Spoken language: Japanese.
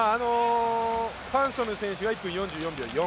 ファン・ソヌ選手が１分４４秒４。